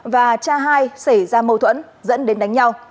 và cha hai xảy ra mâu thuẫn dẫn đến đánh nhau